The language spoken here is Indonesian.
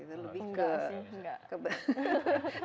enggak sih enggak